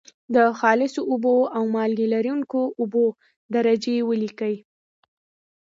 د خالصو اوبو او مالګې لرونکي اوبو درجې ولیکئ.